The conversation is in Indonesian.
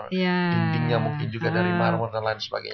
dindingnya mungkin juga dari marmer dan lain sebagainya